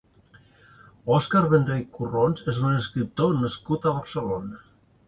Òscar Vendrell Corrons és un escriptor nascut a Barcelona.